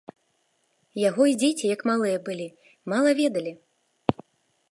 Яго й дзеці, як малыя былі, мала ведалі.